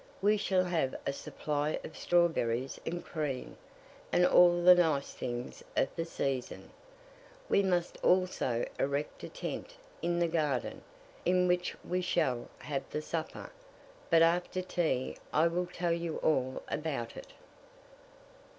We shall have a supply of strawberries and cream, and all the nice things of the season. We must also erect a tent in the garden, in which we shall have the supper; but after tea I will tell you all about it."